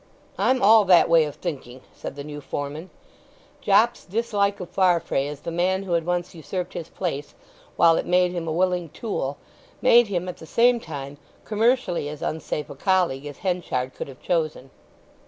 "I'm all that way of thinking," said the new foreman. Jopp's dislike of Farfrae as the man who had once ursurped his place, while it made him a willing tool, made him, at the same time, commercially as unsafe a colleague as Henchard could have chosen.